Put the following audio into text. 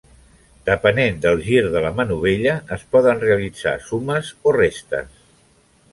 Depenent del gir de la manovella es poden realitzar summes o restes.